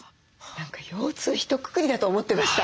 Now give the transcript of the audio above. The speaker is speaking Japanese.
何か腰痛ひとくくりだと思ってました。